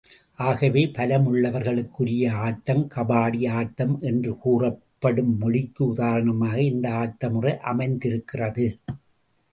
ஆகவே, பலமுள்ளவர் களுக்குரிய ஆட்டம் கபாடி ஆட்டம் என்று கூறப்படும் மொழிக்கு உதாரணமாக இந்த ஆட்ட முறை அமைந்திருக்கிறது.